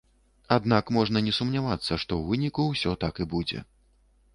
Аднак можна не сумнявацца, што ў выніку ўсё так і будзе.